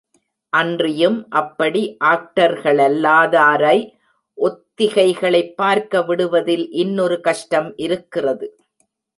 அன்றியும் அப்படி ஆக்டர்களல்லா தாரை ஒத்திகைகளைப் பார்க்க விடுவதில் இன்னொரு கஷ்டம் இருக்கிறது.